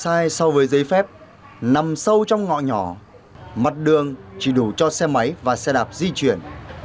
tòa nhà xây dựng sai so với giấy phép nằm sâu trong ngõ nhỏ mặt đường chỉ đủ cho xe máy và xe đạp di chuyển